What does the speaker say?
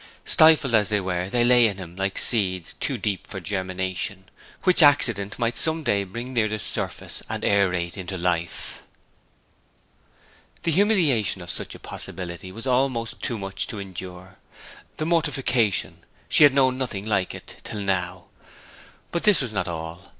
Stifled as they were, they lay in him like seeds too deep for germination, which accident might some day bring near the surface and aerate into life. The humiliation of such a possibility was almost too much to endure; the mortification she had known nothing like it till now. But this was not all.